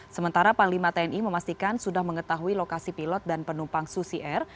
sementara panglima tni memastikan sudah mengetahui lokasi pilot dan penumpang susi air